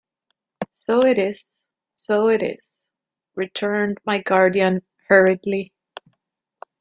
"So it is, so it is," returned my guardian hurriedly.